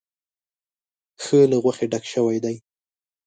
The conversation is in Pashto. ښه له غوښې ډک شوی دی.